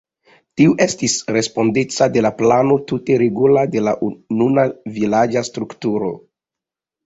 Tiu estis respondeca de la plano tute regula de la nuna vilaĝa strukturo.